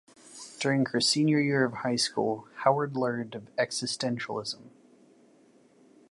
During her senior year of high school, Howard learned of existentialism.